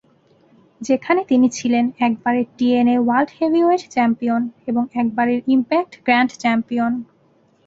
যেখানে তিনি ছিলেন, একবারের টিএনএ ওয়ার্ল্ড হেভিওয়েট চ্যাম্পিয়ন এবং একবারের ইমপ্যাক্ট গ্র্যান্ড চ্যাম্পিয়ন।